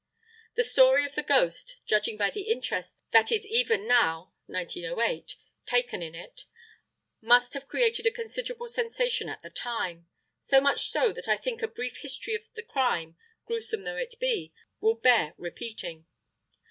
The story of the ghost, judging by the interest that is even now (1908) taken in it, must have created a considerable sensation at the time so much so that I think a brief history of the crime gruesome though it be will bear repeating.